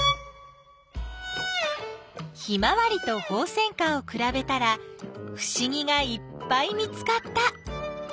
ヒマワリとホウセンカをくらべたらふしぎがいっぱい見つかった。